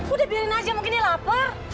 udah biarin aja mungkin ini lapar